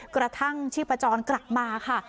กระทั่งชีพจรกลับมาค่ะ